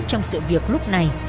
trong sự việc lúc này